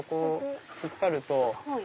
引っ張ると。